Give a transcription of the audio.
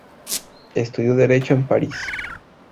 Estudió Derecho en París.